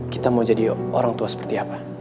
kita mau jadi orang tua seperti apa